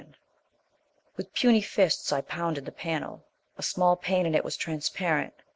XXXVII With puny fists I pounded the panel. A small pane in it was transparent.